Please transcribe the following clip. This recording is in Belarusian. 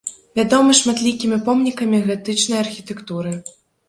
Вядомы шматлікімі помнікамі гатычнай архітэктуры.